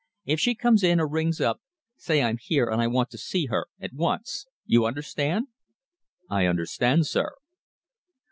If she comes in or rings up, say I'm here and I want to see her at once. You understand?" "I understand, sir."